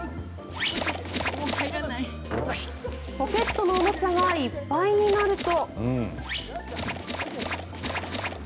ポケットのおもちゃがいっぱいになると。